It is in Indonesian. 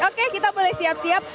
oke kita boleh siap siap